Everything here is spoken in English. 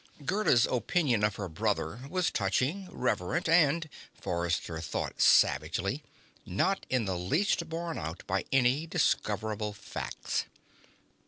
Gerda's opinion of her brother was touching, reverent, and Forrester thought savagely not in the least borne out by any discoverable facts.